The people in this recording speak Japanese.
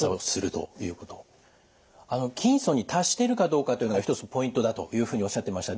筋層に達しているかどうかというのが一つのポイントだというふうにおっしゃってました。